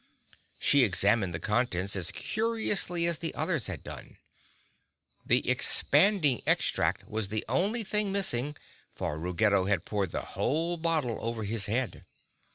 She examined the contents as curiously as the others had done. The Expanding Extract was the only thing missing, for Ruggedo had poured the whole bottle over his head.